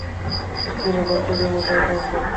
কেন বাচ্চাদের মতো আচরণ করছো।